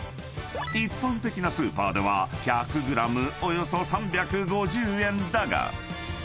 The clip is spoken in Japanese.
［一般的なスーパーでは１００ｇおよそ３５０円だが］